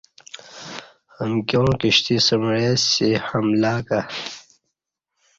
امکیا ں کشتی سمعے سی حملہ کہ